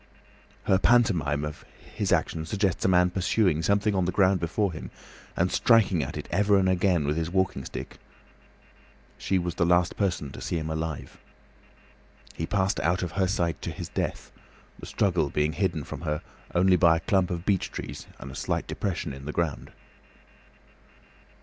Her pantomime of his action suggests a man pursuing something on the ground before him and striking at it ever and again with his walking stick. She was the last person to see him alive. He passed out of her sight to his death, the struggle being hidden from her only by a clump of beech trees and a slight depression in the ground.